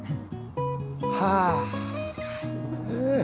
はあ。